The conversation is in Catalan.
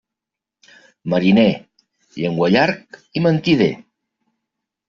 Mariner, llenguallarg i mentider.